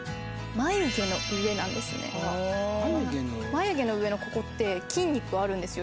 眉毛の上のここって筋肉あるんですよ